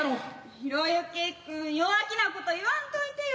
啓之君弱気なこと言わんといてよ。